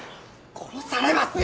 殺されますよ。